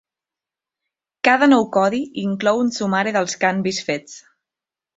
Cada nou codi inclou un sumari dels canvis fets.